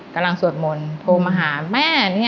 กำลังสวดมนต์โทรมาหาแม่หนี้